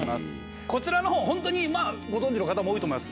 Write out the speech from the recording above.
こちらの本ホントにまぁご存じの方も多いと思います。